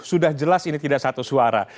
sudah jelas ini tidak satu suara